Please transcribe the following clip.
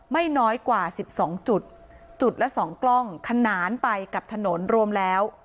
ไม่น้อยกว่า๑๒จุดจุดละสองกล้องขนานไปกับถนนรวมแล้ว